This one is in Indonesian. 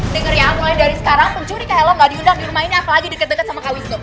dengar ya aku lain dari sekarang pencuri ke helo gak diundang di rumah ini apalagi deket deket sama kawis tuh